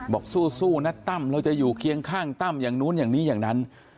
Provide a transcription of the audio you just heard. บอกสู้นะตั้มเราจะอยู่เคียงข้างตั้มอย่างนู้นอย่างนี้อย่างนั้น